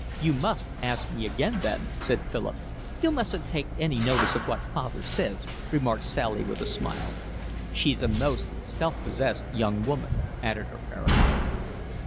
"You must ask me again then," said Philip. "You mustn't take any notice of what father says," remarked Sally, with a smile. "She's a most self possessed young woman," added her parent.